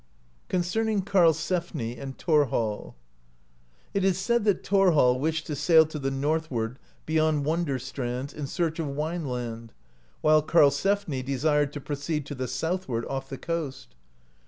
CONCERNING KARLSEFNI AND THORHALL. It is said that Thorhall wished to sail to the northward beyond Wonder strands, in search of Wineland, while Karlsefni desired to proceed to the southward, off the coast.